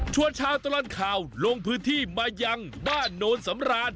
ชาวตลอดข่าวลงพื้นที่มายังบ้านโนนสำราน